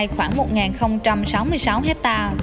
khoảng một nghìn sáu mươi sáu hectare